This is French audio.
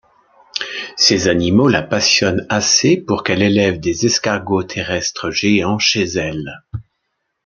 Ces animaux la passionnent assez pour qu'elle élève des escargots terrestres géants chez elle.